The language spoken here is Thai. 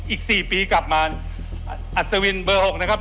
อีก๔ปีกลับมาอัศวินเบอร์๖นะครับ